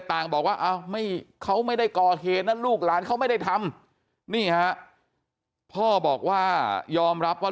ต่างบอกว่าเขาไม่ได้ก่อเหตุนะลูกหลานเขาไม่ได้ทำนี่ฮะพ่อบอกว่ายอมรับว่า